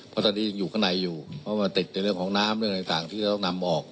เพราะตอนนี้ยังอยู่ข้างในอยู่เพราะมันติดในเรื่องของน้ำเรื่องต่างที่จะต้องนำออก